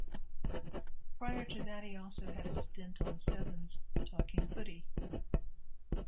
Prior to that he also had a stint on Seven's "Talking Footy".